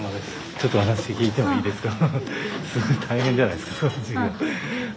ちょっとお話聞いてもいいですか？